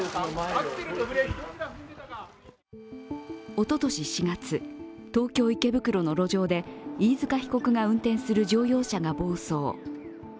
おととし４月、東京・池袋の路上で飯塚被告が運転する乗用車が暴走。